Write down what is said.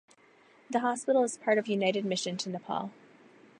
The hospital is part of United Mission to Nepal.